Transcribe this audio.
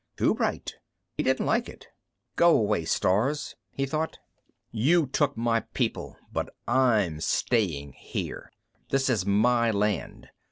Too bright; he didn't like it. Go away, stars, he thought. _You took my people, but I'm staying here. This is my land.